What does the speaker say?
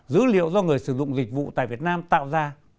dữ liệu do người sử dụng dịch vụ tại việt nam tạo ra